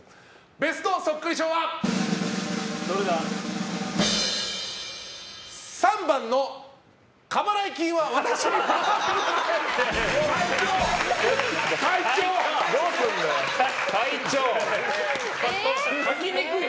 ベストそっくり賞は、３番の過払い金は私にお任せください！